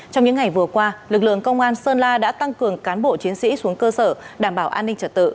trong những ngày vừa qua lực lượng công an sơn la đã tăng cường cán bộ chiến sĩ xuống cơ sở đảm bảo an ninh trật tự